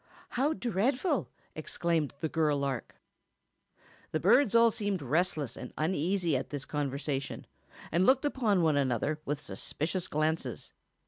"How dreadful!" exclaimed the girl lark. The birds all seemed restless and uneasy at this conversation, and looked upon one another with suspicious glances.